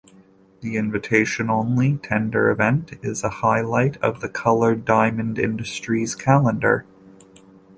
The invitation-only tender event is a highlight of the coloured diamond industry's calendar.